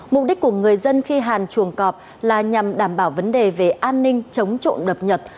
mục đích của người dân khi hàn chuồng cọp là nhằm đảm bảo vấn đề về an ninh chống trộn đập nhật